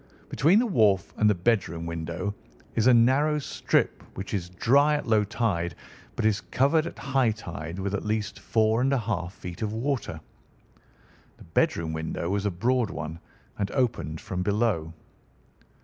Between the wharf and the bedroom window is a narrow strip, which is dry at low tide but is covered at high tide with at least four and a half feet of water. The bedroom window was a broad one and opened from below.